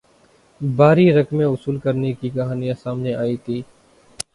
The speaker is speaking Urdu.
بھاری رقمیں وصول کرنے کی کہانیاں سامنے آئی تھیں